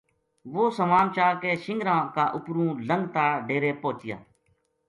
وہ سامان چا کے شنگراں کا اُپروں لنگتا ڈیرے پوہچیا